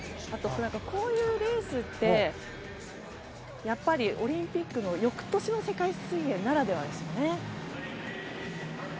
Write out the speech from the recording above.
こういうレースってオリンピックの翌年の世界水泳ならではですよね。